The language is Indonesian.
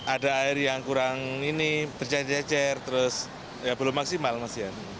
ada air yang kurang ini terjejer jejer terus ya belum maksimal masih ya